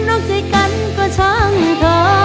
นอกใจกันก็ช่างเธอ